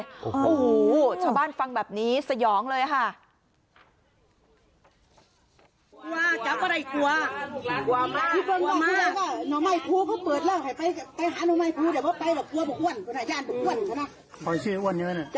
โอ้โหชาวบ้านฟังแบบนี้สยองเลยค่ะ